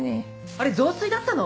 あれ雑炊だったの？